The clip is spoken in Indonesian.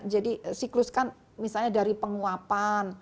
jadi siklus kan misalnya dari penguapan